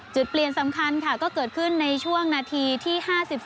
จุดเปลี่ยนสำคัญค่ะก็เกิดขึ้นในช่วงนาทีที่๕๓